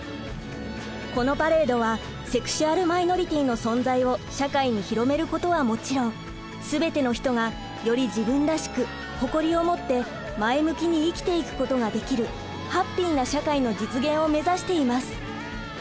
このパレードはセクシュアル・マイノリティーの存在を社会に広めることはもちろん全ての人がより自分らしく誇りを持って前向きに生きていくことができるハッピーな社会の実現をめざしています。